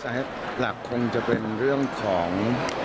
หลักคงจะเป็นเรื่องของ